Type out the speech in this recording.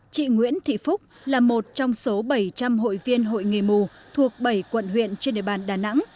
chị nguyễn thị phúc là một trong số bảy trăm linh hội viên hội nghề mù thuộc bảy quận huyện trên địa bàn đà nẵng